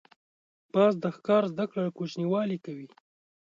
باز د ښکار زده کړه له کوچنیوالي کوي